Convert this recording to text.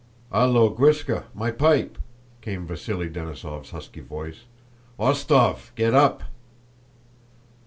"Hallo, Gwíska—my pipe!" came Vasíli Denísov's husky voice. "Wostóv, get up!"